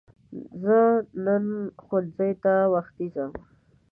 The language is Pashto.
زه نن ښوونځی ته وختی ځم